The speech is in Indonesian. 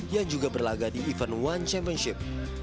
yang juga berlaga di event one championship